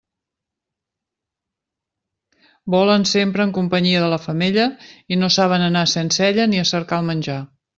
Volen sempre en companyia de la femella, i no saben anar sense ella ni a cercar el menjar.